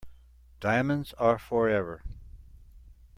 Diamonds are forever.